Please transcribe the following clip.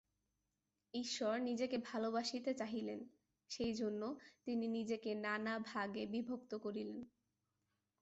ঈশ্বর নিজেকে ভালবাসিতে চাহিলেন, সেই জন্য তিনি নিজেকে নানা ভাগে বিভক্ত করিলেন।